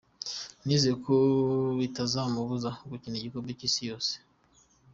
"Nizeye ko bitazomubuza gukina igikombe c'isi yose.